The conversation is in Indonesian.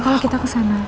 kalau kita kesana